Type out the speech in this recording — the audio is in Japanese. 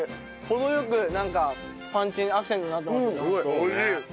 程良くパンチアクセントになってますよね。